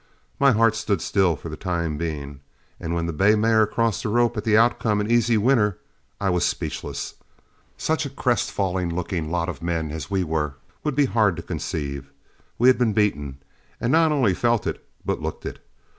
My heart stood still for the time being, and when the bay mare crossed the rope at the outcome an easy winner, I was speechless. Such a crestfallen looking lot of men as we were would be hard to conceive. We had been beaten, and not only felt it but looked it.